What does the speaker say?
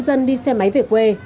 các công dân đi xe máy về quê